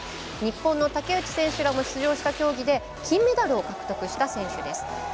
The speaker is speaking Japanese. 日本の竹内選手らも出場した競技で金メダルを獲得した選手です。